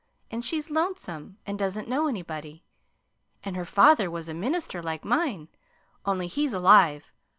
And she's lonesome, and doesn't know anybody. And her father was a minister like mine, only he's alive.